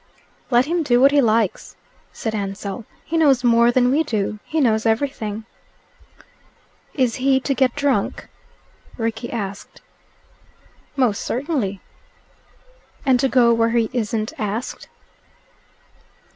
"Let him do what he likes," said Ansell. "He knows more than we do. He knows everything." "Is he to get drunk?" Rickie asked. "Most certainly." "And to go where he isn't asked?"